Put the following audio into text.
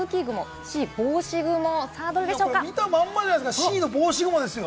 見たまんまじゃないですか、Ｃの帽子雲ですよ。